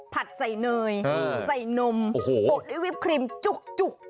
ผัดใส่เนยใส่นมอกด้วยวิปครีมจุก